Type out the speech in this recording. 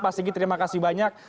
pak sigi terima kasih banyak